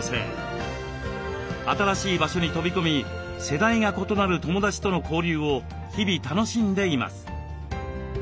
新しい場所に飛び込み世代が異なる友だちとの交流を日々楽しんでいます。